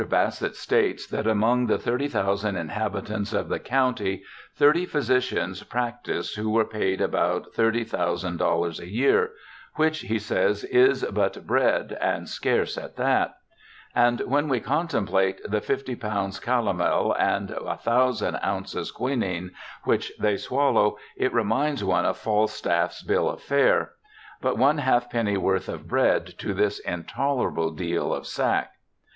Bassett states that among the 30,000 inhabitants of the county, thirty physicians practised who were paid 14 BIOGRAPHICAL ESSAYS about 830,000 a year, ' which,' he says, ' is but bread, and scarce at that '; and when we contemplate the 50 lb. calomel and 1000 ozs. quinine which they swal low, it reminds one of Falstaff's bill of fare :* But one half penny worth of bread to this intolerable deal of sack.'